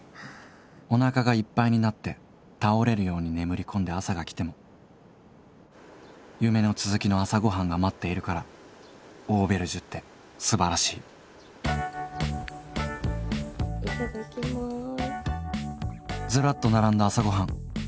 お腹がいっぱいになって倒れるように眠り込んで朝が来ても夢の続きの朝ごはんが待っているからオーベルジュって素晴らしいずらっと並んだ朝ごはん。